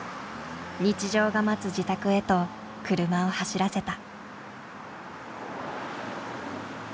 日常が待つ自宅へと車を走らせた。